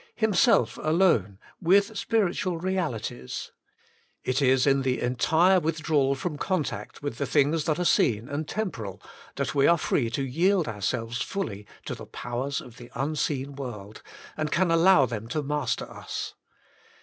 2. Himself Alone, with spiritual realities. It is in the entire withdrawal from contact with the things that are seen and temporal that we are free to peld ourselves fully to the powers of the unseen world, and can allow them to master us.